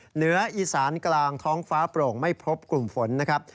เหนืออีสานกลางท้องฟ้าโปร่งไม่พบกลุ่มฝนนะครับ